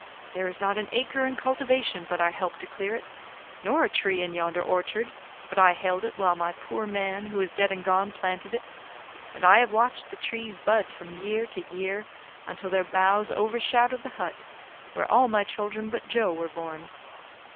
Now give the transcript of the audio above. "There is not an acre in cultivation but I helped to clear it, nor a tree in yonder orchard but I held it while my poor man, who is dead and gone, planted it; and I have watched the trees bud from year to year, until their boughs overshadowed the hut, where all my children, but Joe, were born.